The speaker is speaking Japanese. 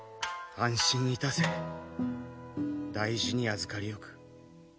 安心いたせ大事に預かりおく。